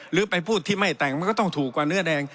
หรือไปพูดที่ไม่แต่งมันก็ต้องถูกกว่าเนื้อแดง